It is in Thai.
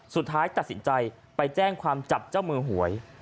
สุดท้ายตัดสินใจไปแจ้งความจับเจ้ามือหวย